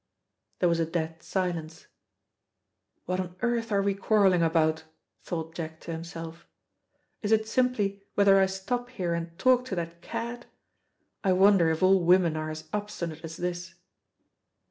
There was a dead silence. "What on earth are we quarrelling about?" thought Jack to himself. "Is it simply whether I stop here and talk to that cad? I wonder if all women are as obstinate as this."